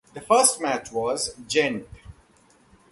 The first match was against Gent.